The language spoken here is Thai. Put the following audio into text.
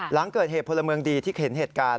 หลังเกิดเหตุพลเมืองดีที่เห็นเหตุการณ์